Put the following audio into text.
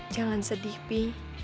jangan sedih be